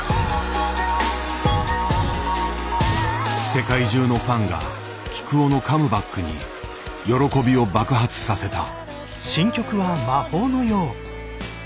世界中のファンがきくおのカムバックに喜びを爆発させた。